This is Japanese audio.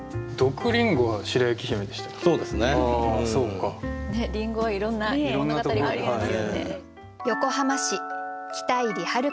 林檎はいろんな物語がありますね。